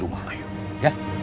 kita rehat di rumah